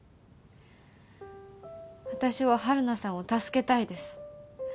私は晴汝さんを助けたいです。